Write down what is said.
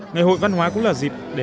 ngày hội văn hóa cũng là dịp để